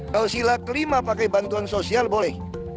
kalau sila kelima pakai bantuan sosial boleh